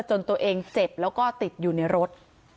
จนตัวเองเจ็บแล้วก็ติดอยู่ในรถ